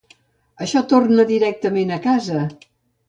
Això torna directament a casa!